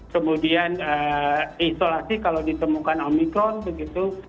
kemudian isolasi kalau ditemukan omikron begitu